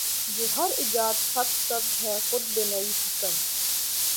جوہر ایجاد خط سبز ہے خود بینیٔ حسن